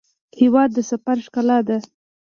هېواد د سفر ښکلا ده.